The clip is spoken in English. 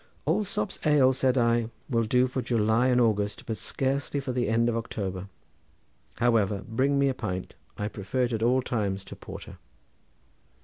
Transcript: "Allsopp's ale," said I, "will do for July and August, but scarcely for the end of October. However, bring me a pint; I prefer it at all times to porter."